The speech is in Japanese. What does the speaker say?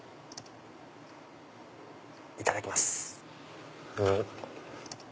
いただきます。